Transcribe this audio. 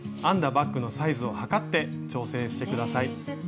バッグのサイズを測って調整して下さい。